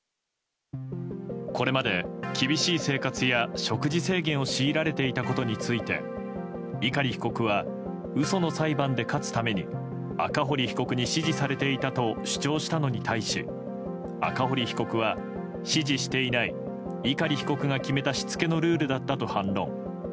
これまで厳しい生活や食事制限を強いられていたことについて碇被告は嘘の裁判で勝つために赤堀被告に指示されていたと主張したのに対し赤堀被告は、指示していない碇被告が決めたしつけのルールだったと反論。